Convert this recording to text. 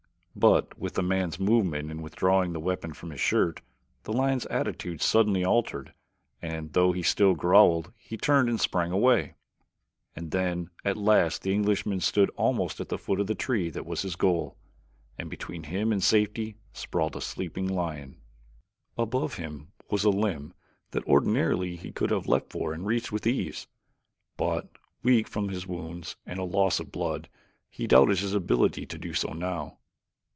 But with the man's movement in withdrawing the weapon from his shirt the lion's attitude suddenly altered and though he still growled he turned and sprang away, and then at last the Englishman stood almost at the foot of the tree that was his goal, and between him and safety sprawled a sleeping lion. Above him was a limb that ordinarily he could have leaped for and reached with ease; but weak from his wounds and loss of blood he doubted his ability to do so now.